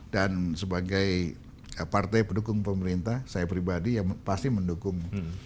dan sebagai partai pendukung pemerintah saya pribadi yang pasti mendukung